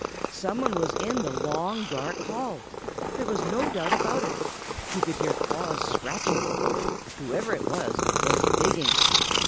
Some one was in the long, dark hall! There was no doubt about it. He could hear claws scratching. Whoever it was, was digging.